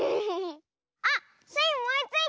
あっスイおもいついた！